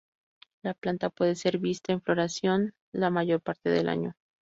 La planta puede ser vista en floración la mayor parte del año.